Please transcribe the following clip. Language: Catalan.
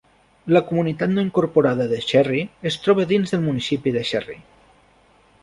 La comunitat no incorporada de Cherry es troba dins del municipi de Cherry.